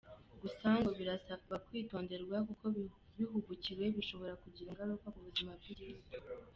Gusa ngo birasaba kwitonderwa kuko bihubukiwe bishobora kugira ingaruka ku buzima bw’igihugu.